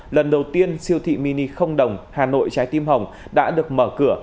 lần đầu tiên siêu thị mini không đồng hà nội trái tim hồng đã được mở cửa